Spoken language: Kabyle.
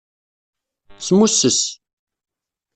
Smusses.